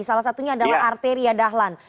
salah satunya adalah arteria dahlan